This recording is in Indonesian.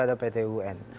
ada pt un